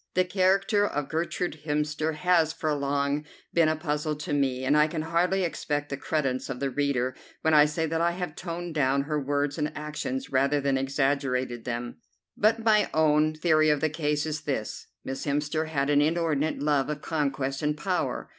The character of Gertrude Hemster has for long been a puzzle to me, and I can hardly expect the credence of the reader when I say that I have toned down her words and actions rather than exaggerated them. But my own theory of the case is this: Miss Hemster had an inordinate love of conquest and power.